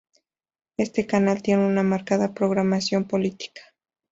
Este canal tiene una marcada programación política.